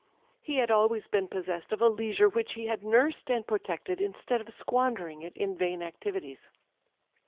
He had always been possessed of a leisure which he had nursed and protected, instead of squandering it in vain activities.